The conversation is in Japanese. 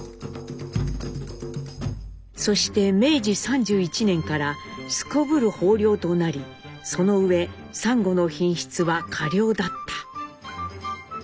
そして明治３１年からすこぶる豊漁となりそのうえサンゴの品質は佳良だった。